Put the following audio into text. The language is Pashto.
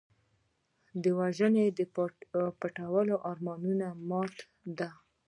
وژنه د پټو ارمانونو ماتې ده